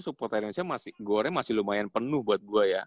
supporter indonesia goreng masih lumayan penuh buat gue ya